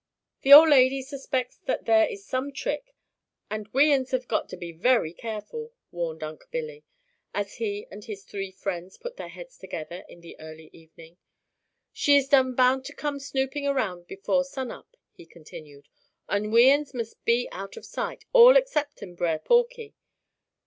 "The ol' lady suspects that there is some trick, and we uns have got to be very careful," warned Unc' Billy, as he and his three friends put their heads together in the early evening. "She is done bound to come snooping around before sun up," he continued, "and we uns must be out of sight, all excepting Brer Porky.